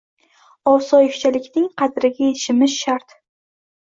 Osoyishtalikning qadriga yetishimiz shart!